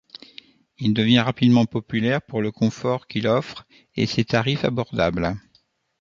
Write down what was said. Il devient rapidement populaire pour le confort qu'il offre et ses tarifs abordables.